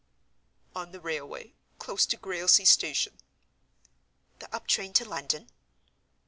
"On the railway. Close to Grailsea Station." "The up train to London?"